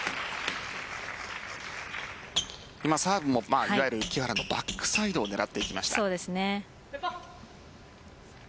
サーブも、いわゆる木原のバックサイドを狙っていきました。